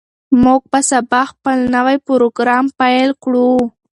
موږ به سبا خپل نوی پروګرام پیل کړو.